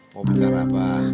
mau bicara pak